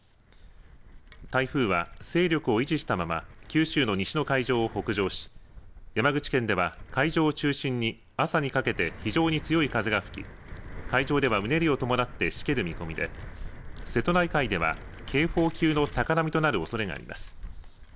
台風は勢力を維持したまま九州の西の海上を北上し山口県では海上を中心に朝にかけて非常に強い風が吹き、海上ではうねりを伴ってしける見込みで瀬戸内海では警報級の高波となるおそれがあります。